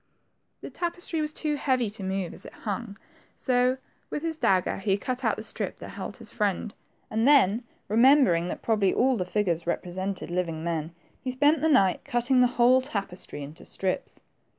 The tapestry was too heavy to move as it hung, so with his dagger he cut out the strip that held his friend, and then remembering that probably all the figures represented living men, he spent the night cutting the whole tapestry into strips.